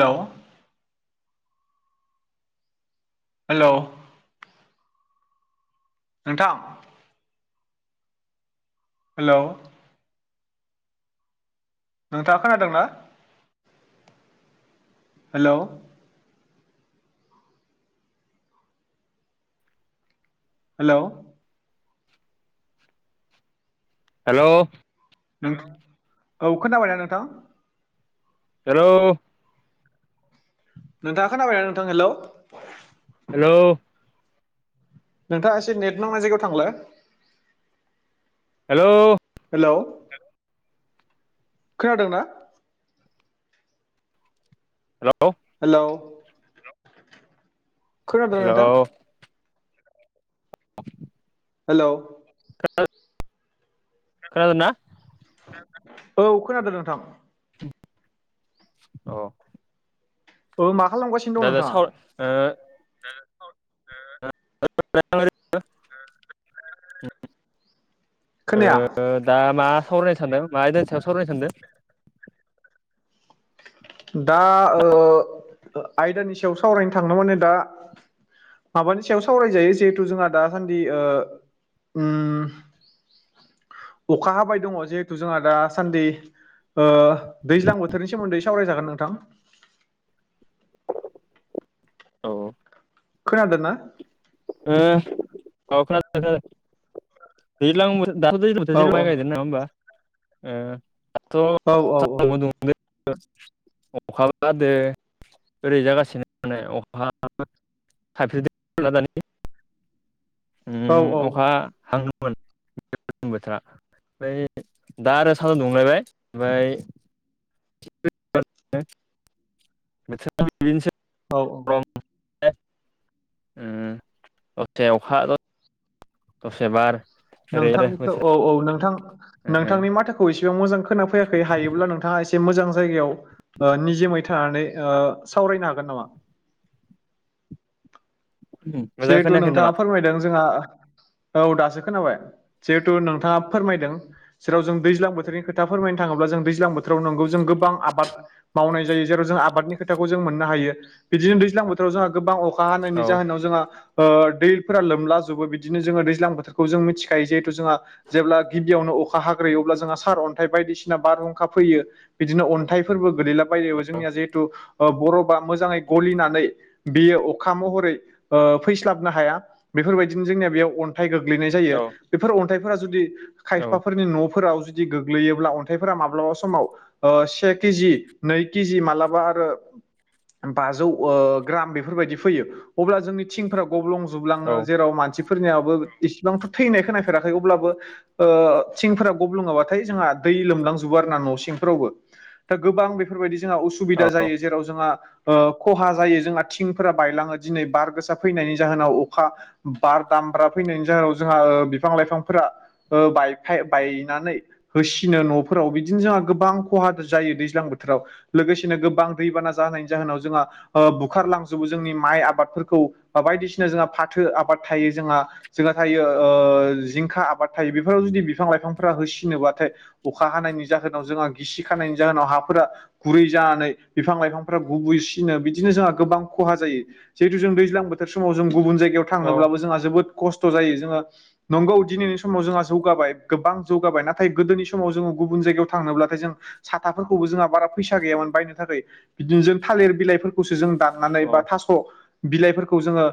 Hello. Hello. नोंथां। Hello. नोंथाङा खोनादोंना? हेलौ। हेलौ। हेलौ। नों औ खोन्थाबायना नोंथां? हेलौ। नोंथाङा खोनाबायना नोंथां? हेलौ। हेलौ। नोंथाङा एसे नेट नांनाय जायगायाव थांलाय। हेलौ। हेलौ खोनादोंना? Hello hello. खोनादोंना हेलौ नोंथां? [inaudible] हेलौ [unintelligible] खोनादोंना? औ खोनादों नोंथां। अ औ मा खालामबाय [unintelligible] [inaudible] [unintelligible] ओ खोनाया दा मा सावरायनो सानदों? मा आयदानि सायाव सावरायनो सान्दों? दा ओ आयदानि सायाव सावरायनो थांनो माने दा माबानि सायाव सावरायजायो जिहेथु जोंहा दासान्दि ओ उम ओ अखा हाबाय दङ जे जोंहा दासान्दि। ओ दैज्लां बोथोरनि सोमोन्दै सावरायजागोन नोंथां। औ खोनादों ना? ओ औ खोनादों। दैज्लां बोथोर दाथ' दैज्लां बोथोर औ जै औ माइ गायदों नङा होमबा? ओ औ दाथ' [unintelligible] अखाबो हादो। ओरै जागासिनो माने अखाबो [unintelligible] औ ओम औ अखा हाङोमोन बोथोरा। ओमफ्राय दा आरो साहा दुंलायबाय ओमफ्राय [inaudible] [unintelligible] औ। [unintelligible] उम दसे अखा द दसे बार ओरै आरो नोंथांनिखौ बोथोर औ औ नोंथां नोंथांनि माथाखौ एसेबां मोजां खोनाफैयाखै हायोब्ला नोंथाङा एसे एसे मोजां जायगायाव निजोमै थानानै सावरायनो हागोन नामा? मोजां जिहेथु खोनायाखै नामा नोंथाङा फोरमायदों जोंहा औ दासो खोनाबाय। जिहेतु नोंथाङा फोरमायदों जेराव जों दैजां बोथोरनि खोथा फोरमायनो थाङोब्ला जों दैज्लां बोथोराव बोाव नोंगौ जों गोबां आबाद मावनाय जायो जेराव जों आबादनि खोथाखौ जों मोननो हायो बिदिनो दैज्लां बोथोराव जोंहा गोबांखा अखा हानायनि औ जाहोनाव जोंहा ओ दैफोरा लोमला जोबो बिदिनो जोङो दैज्लां बोथोरखौ जों मिथिखायो जिहेथु जोंहा जेब्ला गिबियावनो अखा हाग्रोयो अब्ला जोंहा सार अन्थाइ बायदिसिना बारहुंखा फैयो। बिदिनो अन्थाइफोरबो गोलैलाब ब औ जोंनिया जिहेतु बर' बा मोजाङै गलिनानै बियो अखा महरै फैस्लाबनो हाया बेफोरबायदिनो जोंनिया बेयाव अन्थाइ गोग्लैनाय जायो। औ बेफोर अन्थाइफोरा जुदि औ खायफाफोरनि न'फोराव जुदि गोग्लैयोब्ला अन्थाइफोरा माब्लाबा समाव ओ से केजि नै केजि मालाबा आरो बाजौ ग्राम बेफोरबायदि फैयो, अब्ला जोंनि थिंफोरााव गब्लंजोबलाङो औ जेराव मानसिफोरनियाबो इसिबांथ' थैनायखौ नायफेराखै अब्लाबो ओ थिंफोरा गब्लोङाब्लाथाय जोंहा दै लोमलांजोबो आरो ना न' सिंफोरावबो। दा गोबां बेफोरबायदि जोंहा औ उसुबिदा जायो औ जेराव जोंहा ओ खहा जायो जोंहा थिंफोरा बायलाङो दिनै बार गोसा फैनायनि जाहोनाव अखा बार दामब्रा फैनायनि जाहोनाव जोंहा बिफां लाइफांफोरा बायफ बायनानै होसिनो न'फोराव बिदिनो जोंहा गोबां खहा जायो दैज्लां बोथोराव। लोगोसेनो गोबां दैबाना जाहोनायनि जाहोनाव जोंहा बुखारलांजोबो जोंनि माइ आबादफोरखौ बा बायदिसिना जोंहा फाथो आबाद थायो जोंहा जोंहा थायो जिंखा आबाद थायो बेफोराव जुदि बिफां लाइफांफोरा होसिनोबाथाय अखा हानायनि जाहोनाव जोंहा गिसि खानायनि जाहोनाव हाफोरा गुरै जानानै बिफां लाइफांफ्रा गुबैसिनो बिदिनो जोंहा गोबां खहा जायो। जिहेतु जों दैज्लां बोथोर समाव जों गुबुन जायगायाव थांनोब्लाबो जोंहा जोबोद खस्थ' जायो, जोङो नंगौ दिनैनि समाव जोंहा जौगाबाय गोबां जौगाबाय नाथाय गोदोनि समाव जोङो गुबुन जायगायाव थांनोब्लाथाय जों साथाफोरखौबो जोंहा बारा फैसा गैयामोन बायनो थाखाय बिदिनो जों थालिर बिलाइफोरखौसो जों दाननानै बा थास' बिलाइफोरखौ जोङो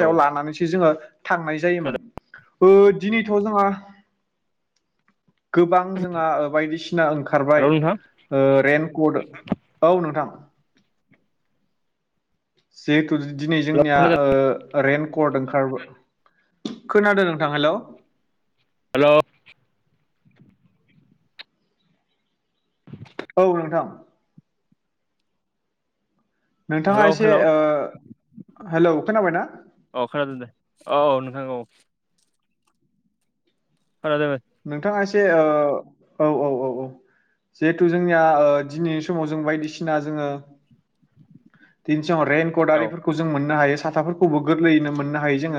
औ लानानैसो जोङो थांनाय हेल' जायोमोन दिनैथ' जोंहा गोबां जोंहा बायदिसिना ओंखारबाय। नोंथां रेनक'ट औ नोंथां। जिहेतु दिनै जोंनिया खोनादों हेल' रेन कट ओंखारबाय खोनादों नोंथां हेल'। हेल'। [inaudible] औ नोंथां। नोंथाङा हेलौ एसे, हेलौ हेल' खोनाबायना? औ खोनादों दे औ-औ नोंथां औ। [unintelligible] नोंथाङा एसे औ-औ-औ-औ। जिहेथु जोंनिया दिनैनि समाव जों बायदिसिना जोङो [unintelligible] औ रेनकटआरिफोर खौ जों मोननो हायो साथाफोरखौबो गोरलैयैनो मोननो हायो जों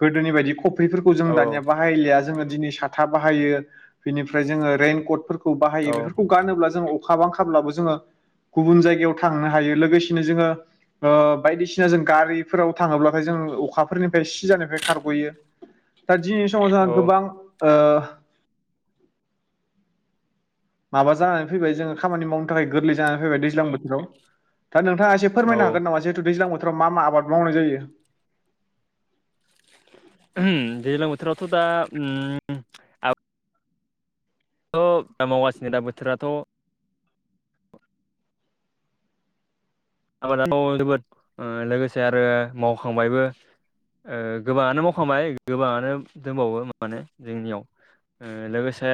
गोदोनि बादि ख खफ्रिफोरखौ जों दानिया बाहायलिया जों दिनै साथा बाहायो बेनिफ्राय जोङो रेनकटफोर खौ औ बाहायो बेफोरखौ गानोब्ला जों अखा बांखाब्लाबो जोङो गुबुन जायगायाव थांनो हायो लोगोसे दिनै जोङो ओ बायदिसिना जों गारिफोराव थाङोब्लाथाय जों अखाफोरनिफ्राय सिजानायनिफ्राय खारग'यो। दा दिनैनि समाव जोंहा औ गोबां ओ माबा जानानै फैबाय जोङो खामानि मावनो थाखाय गोरलै जानानै फैबाय दैज्लां बोथोराव दा नोंथाङा एसे औ फोरमायनो हागोन नामा जिहेथु दैज्लां बोथोराव मा मा आबाद मावनाय जायो? उम दैज्लां बोथोरावथ' दा उम अ दा मावगासिनो दा बोथोराथ' आबादाथ' जोबोद ओ लोगोसे आरो मावखांबायबो। ओ गोबाङानो मावखांबाय गोबाङानो दंबावो माने जोंनियाव। ओ लोगोसे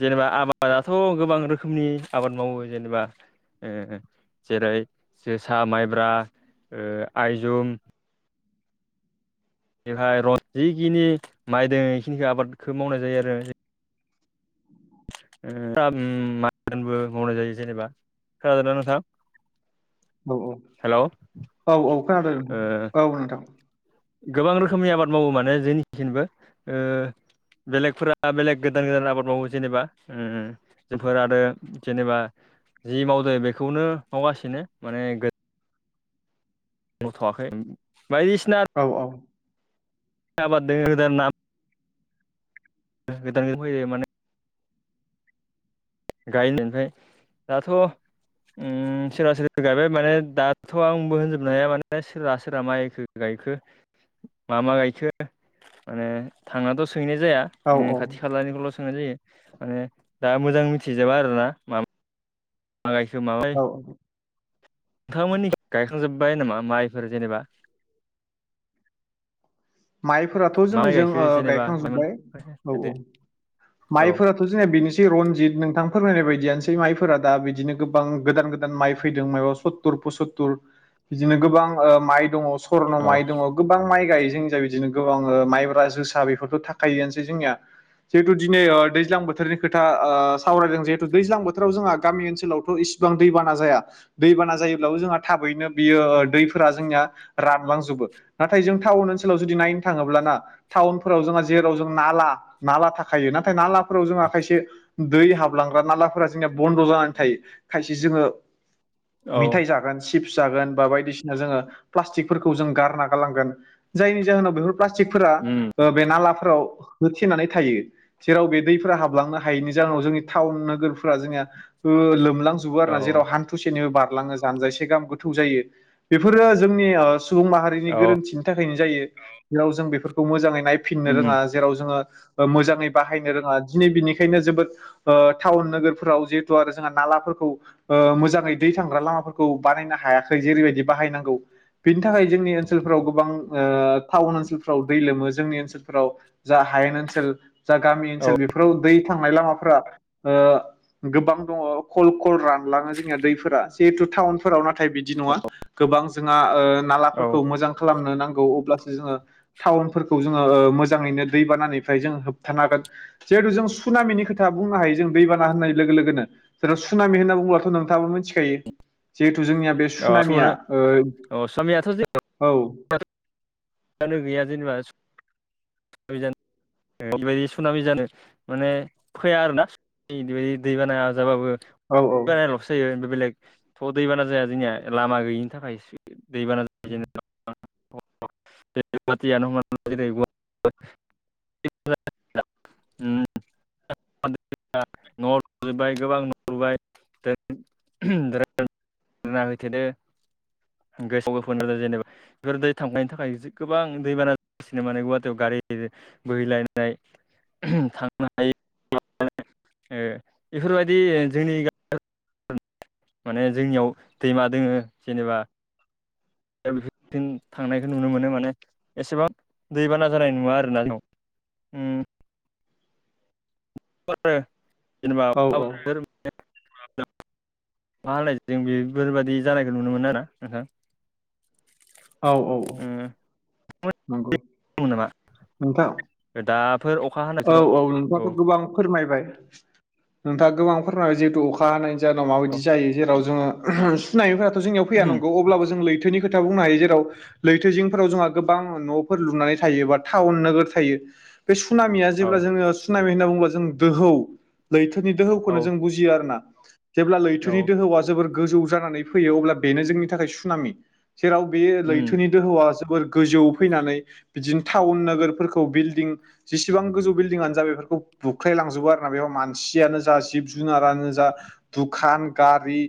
जेनेबा आबादाथ' गोबां रोखोमनि आबाद मावो जेनेबा ओ जेरै जोसा माइब्रा ओ आइजुम। बेनिफाय रन्जि जेखिनि माइ दोङो बेखिनिखौ आबादखो मावनाय जायो आरो। ओ [unintelligible] मोनबो मावनाय जायो जेनेबा खोनादोंना नोंथां? औ औ हेलौ औ औ खोनादों ओ नोंथां औ नोंथां। गोबां रोखोमनि आबाद मावो माने जोंनिखिनबो ओ बेलेगफोरा बेलेग गोदान गोदान आबाद मावो जेनेबा उम। जायफोर आरो जेनेबा जि मावदो बेखौनो मावगासिनो माने गो मावथ'आखै बायदिसिना औ औ। [unintelligible] गोदान फैयो माने गायनो ओमफ्राय दाथ' उम सोरबा सोरबा गायबाय माने दाथ' आंबो होनजोबनो हाया माने सोरहा सोरहा माइखो गायखो मा मा गायखो माने थांनाथ' सोंहैनाय जाया। औ उम खाथि खालानिखौल' सोंनाय जायो माने दा मोजां मिथिजोबा आरोना मा मा गायखो मा माइ [inaudible] नोंथांमोननि गायखांजोब्बाय नामा माइफोर जेनेबा? माइफोराथ' मा माइ जोंनिजों ओ गायखो जेनेबा गायखांजोबबाय औ औ। औ माइफोराथ' जोंनिया बेनोसै रनजित नोंथां फोरमायनाय बायदियानोसै माइफोरा दा बिदिनो गोबां गोदान गोदा माइ फैदों माइबा सुत्तुर पसुत्तुर बिदिनो गोबां ओ माइ दङ। स्वर्न औ माइ दङ गोबां माइ गायो जों दा बिदिनो गोबां ओ माइब्रा जोसा बेफोरथ' थाखायोआनोसै जोंनिया। जिहेतु दिनै ओ दैज्लां बोथोरनि खोथा ओ सावरायदों जिहेतु दैज्लां बोथोराव जोंहा गामि ओनसोलावथ' इस सिबां दैबाना जाया। दैबाना जायोब्लाबो जोंहा थाबैनो बियो ओ दैफोरा जोंनिया रानलांजोबो। नाथाय जों टाउन ओनसो जों जुदि नायनो थाङोब्ला ना टाउनाफोराव जोंहा जेराव जों नाला नाला थाखायो नाथाय नाला फोराव जोंहा खायसे दै हाबलांग्रा नालाफोरा जोंनिया बन्द' जानानै थायो खायसे जोङो औ मिथाय जागोन सिप्स जागोन बा बायदिसिना जोङो प्लासटिकफोरखौ जों गारना गालांगोन जायनि जाहोनाव बेफोर प्लास्टिकफोरा उम ओ बे नालाफोराव होथेनानै थायो। जेराव बे दैफोरा हाबलांनो हायैनि जाहोनाव जोंनि टाउन नोगोरफोरा जोंनिया ओ लोमलां जुबो आरोना औ जेराव हान्थु थुसेनिबो बारलाङो जानजायसे गाहाम गोथौ जायो बेफोरो जोंनि ओ सुबुं माहारिनि औ गोरोन्थि। बिदि जायो जाय जों बेफोरखौ मोजांङै नायफिननो उम रोङा जेराव जोङो मोजाङै बाहायनो रोङा दिनै बिनिखायनो जोबोद टाउन नोगोरफोराव जिहेथु आरो जोंहा नालाफोरखौ मोजाङै दै थांग्रा लामाफोरखौ बानायनो हायाखै जेरैबायदि बाहायनांगौ बिनि थाखाय जोंनि ओनसोलफोराव गोबां टाउन ओनसोलफ्राव दै लोमो जोंनि ओनसोलफोराव जा हायेन ओनसोल जा गामि औ ओनसोल बेफोराव दै थांनाय लामाफोरा गोबां दङ खल खल रानलाङो जोंनिया दैफोरा जिहेथु टाउन होनबाबो नाथाय बिदि नङा गोबां जोंहा औ नालाफोरखौ मोजां खालामनो नांग अब्लासो जोङो टाउनफोरखौ जोंङो मोजांङैनो दैबानानिफ्राय जों होबथानो हांगोन जिहेतु जों सुनामिनि खोथा बुंनो हायो जों दैबाना होननाय लोगो लोगोनो जेराव सुनामि होनना बुोब्लाथ' नोंथाङाबो मिथिखायो जिहेथु जोंनिया बे औ सुनामिया सुना औ सुनामियाथ' औ फानो गैया जेनेबा सज बेबायदि सुनामि जानो माने फैया आरो ना बायदि दै बाना जाबाबो दै औ बानाल'सो जायो बेलेग अ दैबाना जाया जोंनिया लामा गैयिनि थाखाय दैबाना ज [unintelligible] [unintelligible] [unintelligible] [unintelligible] न'आव लुजोबबाय गोबां न' लुबायै [unintelligible] [unintelligible] आ गोबां दैबाना जासिनो माने गुवाहाटियाव गारि बोहैलायनाय [unintelligible] थांनो हायि बेफोरबायदि जोंनि माने जोंनियाव दैमा दोंङो जेनेबा बेफोरदि थांनायखौ नुनो मोनो माने एसेबां दैबाना जानाय नुवा आरोना जों उम [unintelligible] जेनेबा औ अखा औ बोथोर मा होनालाय जों बेफोरबायदि जानायखौ नुनो मोनो आरो नोंथां औ औ औ उम नंगौ [unintelligible] नोंथां दाब फोर अखा हानाय औ बोथोराव औ नोंथांङाथ' गोबां फोरमायबाय नोंथांङा गोबां फोरमायबाय जिहेतु अखा हानायनि जोंनाव मााबायदि औ जायो जेराव जोङो सुनायफोरा्राथ' जोंनियाव फै नांगौ अब्लाबो जों लैथोनि खोथा बुंनो हायो जेराव लैथोजिंफोराव जोंहा गोबां न'फोर लुनानै थायो बा टाउन नोगोर थायो सामिया जेब्ला जोंङो सुनामि होनना बुंङोबला जों दोहौ लैथोनि दोहौखौ औ आरो ना जेब्ला लैथोनि औ दोहौआ जोबोर गोजौ जानानै फैयो अब्ला बेनो जोंनि थाखाय सुनामि जेराव बे उम लैथोनि दोहौआ जोबोर गोजौ फैनानै बिदिनो टाउन नोगोरफोरखौ बिल्डिं जेसेबां गोजौ बिल्डिंआनो जा बेफोरखौ बुख्रायलांजोबो आरो ना बेहाय मानसियानो जा जिब जुनारानो जा दुखान गारि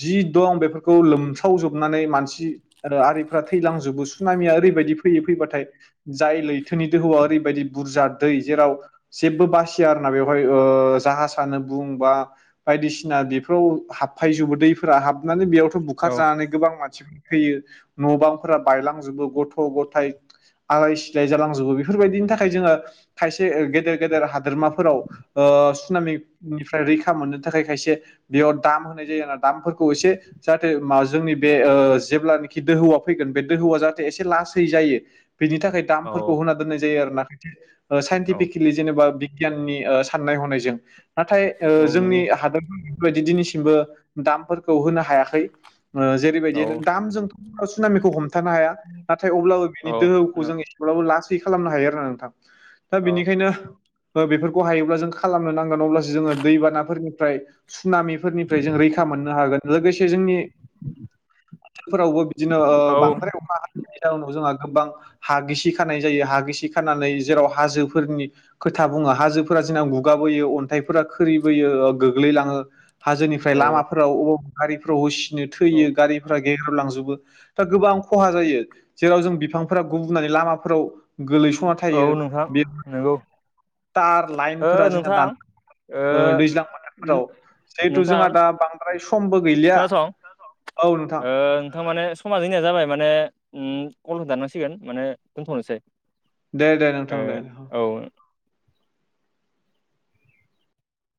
जि दं बेफोरखौ लोमस्रावजोबनानै मानसि आरो आरिफ्रा थैलांजोबो सुनाामिया ओरैबायदि फैयो फैबाथाय जाय लैथोनि दोहौआ ओरैबायदि बुरजा दै जेराव जेबो बासिया आर ना बेवहाय ओ जाहाजानो बायदिसिना बेफोराव हाबफायजोबो दैफोरा हाबनानै बेयावथ' औ बुखारजानानै गोबां मानसि फैयो न' बांफोरा बायलांजोबो गथ' गथाय आलाय सिलाय जालांजोबो बेफोरबायदिनि थाखाय जोंङो खायसे गेदेर गेदेर हादोरमाफोराव ओ सुनामिनिफ्राय रैखा मोननो थाखाय खायसे बेयाव दाम होनाय जायो आरो दामफोरखौ एसे जाहाथे मा जोंनि बे ओ जेब्लानाखि दोहौआ फैगोन बे दोहौआ जाहाथे एसे लासै जायो। बेनि थाखाय औ दामफोरखौ होना दोननाय जायो आरो ना खायसे औ साइनटिफिकेलि जेनेबा बिगियाननि ओ साननाय हनायजों नाथाय ओ औ जोंनि नंगौ हादोरफोराव बेबायदि दिनैसिमबो दामफोरखौ होनो हायाखै ओ औ जेरैबायदिनो दाम जों सुनामिखौ हमथानो हाया नाथाय अब्लाबो औ बिनि औ दोहौखौ जों एसेब्लाबो लासै खालामनो हायो आरो ना नोंथां। दा औ बिनिखायनो ओ बेफोरखौ हायोब्ला जों खालामनो नांगोन अब्लासो जोंङो दैबानाफोरनिफ्राय सुनामिफोरनिफ्राय जों रैखा मोननो हागोन लोगोसे जोंनि फोरावबो बिदिनो ओ बांद्राय अखा हानायनि जाउनाव जोंहा गोबां हा गिसि खानाय जायो हा गिसि खानानै जेराव हाजोफोरनि खोथा बुङा हाजोफोरा जोंना गुगाबोयो अन्थाइफोरा खोरिबोयो ओ गोग्लैलाङो। हाजोनिफ्राय औ लामाफोराव अं गारिफोराव होसिनो औ थैयो गारि गेग्रेबलांजोबो दा गोबां खहा जायो जेराव जों बिफांफोरा गुबुननानै लामाफोराव गोलैस'ना औ थायो। नोंथां बे नोंगौ। तार लाइनफोरा जोंना दान ओ दैज्लां बोथोरफोराव जिहेथु नोंथां जोंहा दा बां द्राय समबो गैलिया खोनासं औ नोंथां। ओ नोंथां माने समाज जोंनिया जाबाय माने ओम कलखौ दाननांसिगोन माने दोनथ'नोसै। दे दे नोंथां दे औ।